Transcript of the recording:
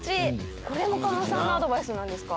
これも加納さんのアドバイスなんですか？